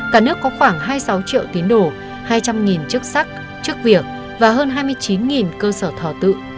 cả nước có khoảng hai mươi sáu triệu tín đồ hai trăm linh chức sắc chức việc và hơn hai mươi chín cơ sở thò tự